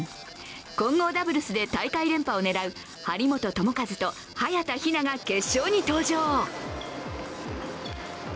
混合ダブルスで大会連覇を狙う張本智和と早田ひなが決勝に登場。